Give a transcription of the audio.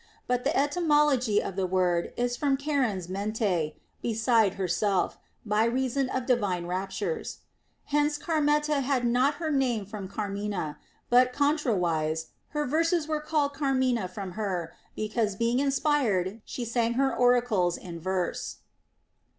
But the etymology of the word is from car ens mente (beside herself), by reason of divine raptures. Hence Carmenta had not her name from carmina ; but con trariwise, her verses were called carmina from her, because being inspired she sang her oracles in verse.